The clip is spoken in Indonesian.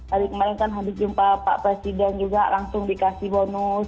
hari kemarin kan habis jumpa pak presiden juga langsung dikasih bonus